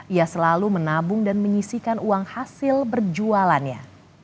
ia selalu menabung dan menyisikan uang hasil berjualannya